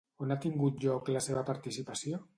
On ha tingut lloc la seva participació?